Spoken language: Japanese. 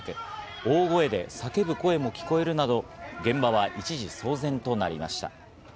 大声で叫ぶ声も聞こえるなど、現場は一時騒然となりました。